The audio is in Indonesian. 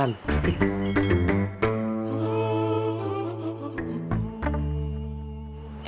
enak buat gitu